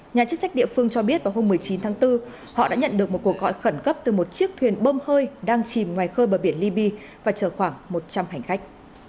nhà chức trách địa phương cho biết vào hôm một mươi chín tháng bốn họ đã nhận được một cuộc gọi khẩn cấp từ một chiếc thuyền bơm hơi đang chìm ngoài khơi bờ biển liby và chở khoảng một trăm linh hành khách